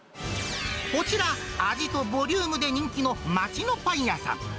こちら、味とボリュームで人気の町のパン屋さん。